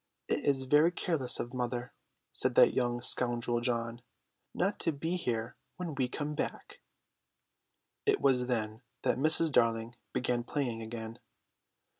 "It is very careless of mother," said that young scoundrel John, "not to be here when we come back." It was then that Mrs. Darling began playing again.